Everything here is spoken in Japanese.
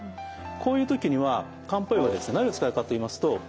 こういう時には漢方医は何を使うかといいますと。